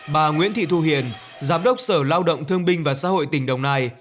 bà nguyễn thị thu hiền giám đốc sở lao động thương binh và xã hội tình đồng này